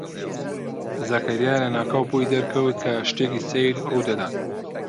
زەکەریا لەناکاو بۆی دەرکەوت کە شتێکی سەیر ڕوو دەدات.